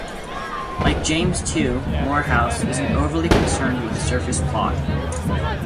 Like James, too, Moorhouse isn't overly concerned with surface plot.